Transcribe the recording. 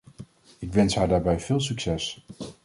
Ik wens haar daarbij veel succes.